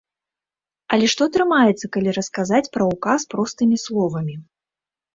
Але што атрымаецца, калі расказаць пра ўказ простымі словамі?